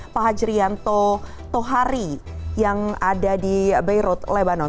pak hajrianto tohari yang ada di beirut lebanon